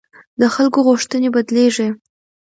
د خلکو غوښتنې بدلېږي